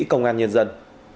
công an nhân dân